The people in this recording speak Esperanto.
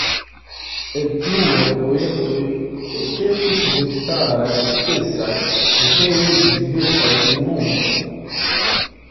El pluraj projektoj ekestis memstaraj sukcesaj retejoj de diversaj komunumoj.